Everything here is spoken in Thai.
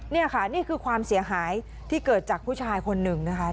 นี่ค่ะนี่คือความเสียหายที่เกิดจากผู้ชายคนหนึ่งนะคะ